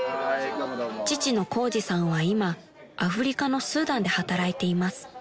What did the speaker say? ［父の宏治さんは今アフリカのスーダンで働いています］